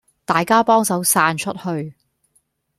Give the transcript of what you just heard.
大家幫手散出去